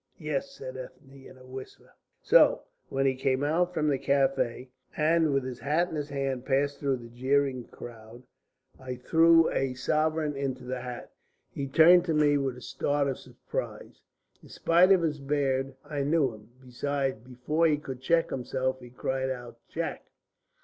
"Yes," said Ethne, in a whisper. "So, when he came out from the café, and with his hat in his hand passed through the jeering crowd, I threw a sovereign into the hat. He turned to me with a start of surprise. In spite of his beard I knew him. Besides, before he could check himself, he cried out 'Jack!'"